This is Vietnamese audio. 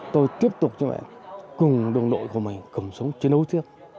tôi tiếp tục cùng đồng đội của mình cầm súng chiến đấu tiếp